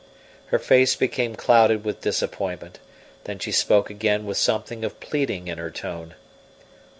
Her face became clouded with disappointment, then she spoke again with something of pleading in her tone.